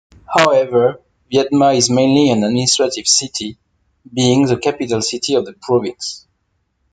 However, Viedma is mainly an administrative city, being the capital city of the province.